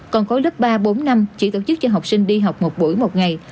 còn khối lớp ba bốn năm chỉ tổ chức cho học sinh đi học một buổi một ngày